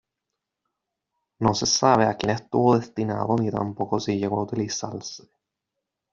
No se sabe a quien estuvo destinado ni tampoco si llegó a utilizarse.